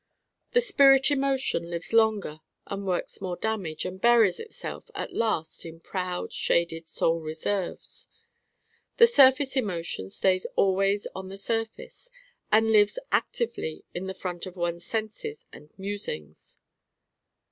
The spirit emotion lives longer and works more damage and buries itself at last in proud shaded soul reserves. The surface emotion stays always on the surface and lives actively in the front of one's senses and musings.